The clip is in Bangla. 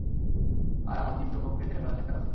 আর আমার তীব্র ক্ষোভকে ঝেড়ে ফেলার চেষ্টা করছিলাম।